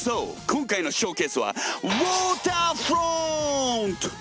今回のショーケースはウォーターフロント！